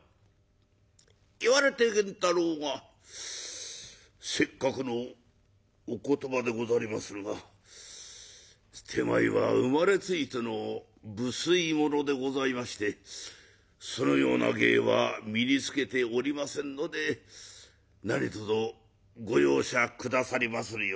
言われて源太郎が「せっかくのお言葉でござりまするが手前は生まれついての不粋者でございましてそのような芸は身につけておりませんので何とぞご容赦下さりまするように」。